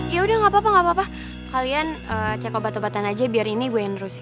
ya udah gak apa apa gak apa apa kalian cek obat obatan aja biar ini gue yang nerusin